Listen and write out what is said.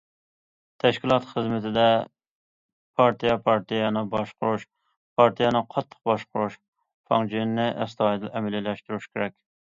تەشكىلات خىزمىتىدە پارتىيە پارتىيەنى باشقۇرۇش، پارتىيەنى قاتتىق باشقۇرۇش فاڭجېنىنى ئەستايىدىل ئەمەلىيلەشتۈرۈش كېرەك.